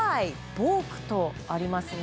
ボークとありますね。